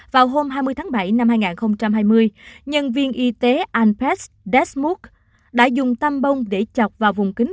vào hôm hai mươi tháng bảy năm hai nghìn hai mươi nhân viên y tế alpest desmood đã dùng tâm bông để chọc vào vùng kính